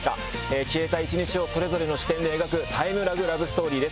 消えた一日をそれぞれの視点で描くタイムラグラブストーリーです。